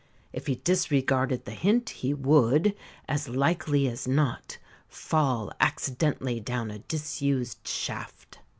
If he disregarded the hint he would, as likely as not, fall accidentally down a disused shaft.